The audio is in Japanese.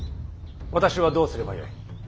私はどうすればよい。